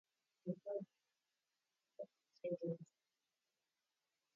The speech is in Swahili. polisi nchini misri mpenzi msikilizaji wamewaweka kizuizini alikuwa waziri wa habari